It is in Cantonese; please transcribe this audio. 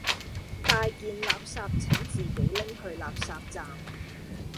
大件垃圾請自己拎去垃圾站